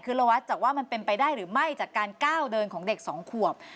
คือระวัดจากว่ามันเป็นไปได้หรือไม่จากการก้าวเดินของเด็ก๒ขวบ